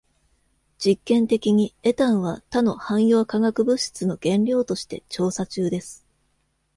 実験的に、エタンは他の汎用化学物質の原料として調査中です。